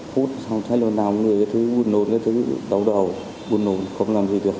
hút xong thấy lần nào người ấy thấy buồn nồn thấy đau đầu buồn nồn không làm gì được